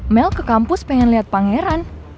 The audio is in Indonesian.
mel ke kampus pengen lihat pangeran